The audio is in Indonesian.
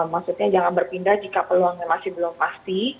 maksudnya jangan berpindah jika peluangnya masih belum pasti